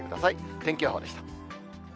天気予報でした。